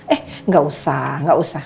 eh gak usah nggak usah